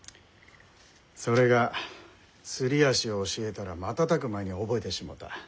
それがすり足を教えたら瞬く間に覚えてしもうた。